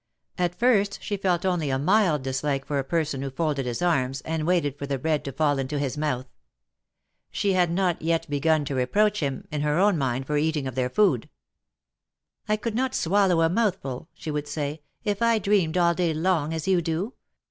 At first she felt only a mild dislike for a person who folded his arms, and waited for the bread to fall into his mouth. She had not yet begun to reproach him in her own mind for eating of their food. " I could not swallow a mouthful,^' she would say, " if I dreamed all day long, as you do.